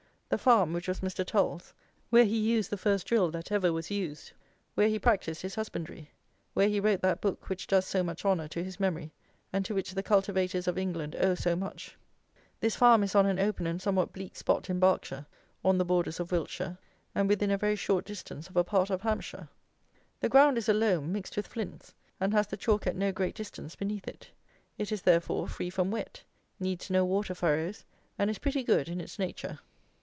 The farm, which was Mr. Tull's; where he used the first drill that ever was used; where he practised his husbandry; where he wrote that book, which does so much honour to his memory, and to which the cultivators of England owe so much; this farm is on an open and somewhat bleak spot in Berkshire, on the borders of Wiltshire, and within a very short distance of a part of Hampshire. The ground is a loam, mixed with flints, and has the chalk at no great distance beneath it. It is, therefore, free from wet; needs no water furrows; and is pretty good in its nature.